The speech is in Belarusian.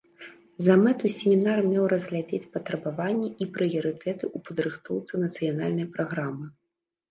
За мэту семінар меў разгледзець патрабаванні і прыярытэты ў падрыхтоўцы нацыянальнай праграмы.